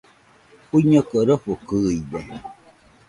Uiñoko rofokɨide